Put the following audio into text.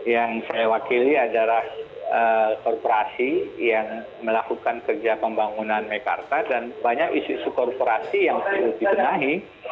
yang saya wakili adalah korporasi yang melakukan kerja pembangunan mekarta dan banyak isu isu korporasi yang perlu dibenahi